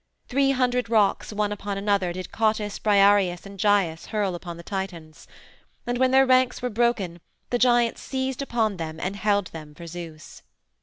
Three hundred rocks, one upon another, did Cottus, Briareus, and Gyes hurl upon the Titans. And when their ranks were broken the giants seized upon them and held them for Zeus.